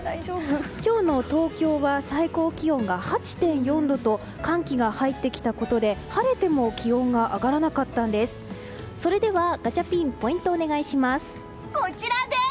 今日の東京は最高気温が８．４度と寒気が入ってきたことで晴れても気温が上がらなかったんです。